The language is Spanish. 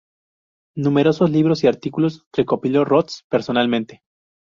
Numerosos libros y artículos recopiló Rost personalmente.